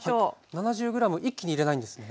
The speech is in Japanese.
７０ｇ一気に入れないんですね？